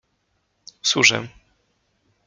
służę.